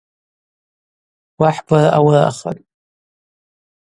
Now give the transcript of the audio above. Уахӏбара ауырахатӏ.